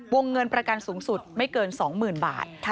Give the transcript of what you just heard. วงเงินประกันสูงสุดไม่เกิน๒๐๐๐บาท